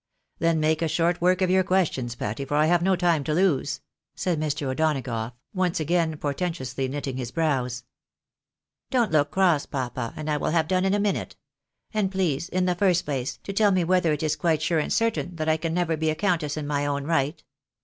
" Then make short work of your questions, Patty, for I have no time to lose," said Mr. O'Donagough, once again portentously knitting his brows. " Don't look cross, papa, and I will have done in a minute. And please, in the first place, to tell me whether it is quite sure and certain that I never can be a countess in my own right